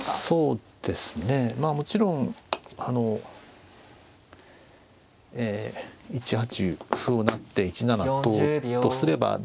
そうですねもちろんえ１八歩を成って１七ととすれば